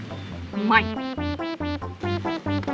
ไม่